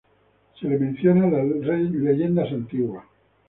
Se le menciona en las leyendas antiguas.